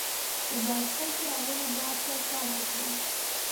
د بایسکل څراغونه باید تل کار وکړي.